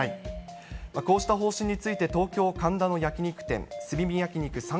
こうした方針について東京・神田の焼き肉店、炭火焼肉さん